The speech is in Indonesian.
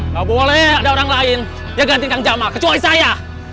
gak boleh ada orang lain yang ganti kang jamal kecuali saya